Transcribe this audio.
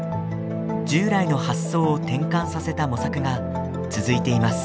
従来の発想を転換させた模索が続いています。